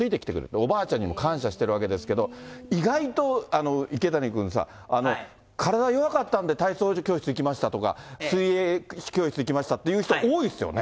おばあちゃんにも感謝してるわけですけど、意外と池谷君さ、体弱かったんで体操教室行きましたとか、水泳教室行きましたっていう人、多いですよね。